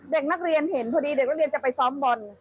เด็กนักเรียนเห็นพอดีเด็กนักเรียนจะไปซ้อมบอล